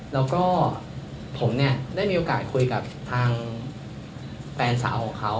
แล้วก็ผมเนี่ยได้มีโอกาสคุยกับทางแฟนสาวของเขา